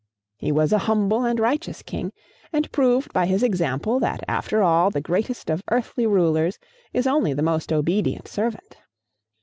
He was a humble and righteous king, and proved by his example that after all the greatest of earthly rulers is only the most obedient servant.